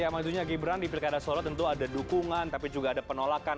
ya majunya gibran di pilkada solo tentu ada dukungan tapi juga ada penolakan